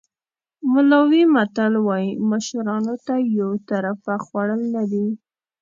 ملاوي متل وایي مشرانو ته یو طرفه خوړل نه دي.